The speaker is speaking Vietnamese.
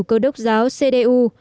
cơ đốc giáo cdu